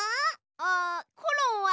あコロンは。